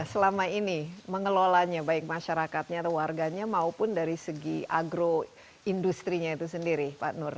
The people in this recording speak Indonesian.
sama ini mengelolanya baik masyarakatnya warganya maupun dari segi agroindustrinya itu sendiri pak nur